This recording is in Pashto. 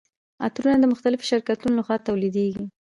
عطرونه د مختلفو شرکتونو لخوا تولیدیږي.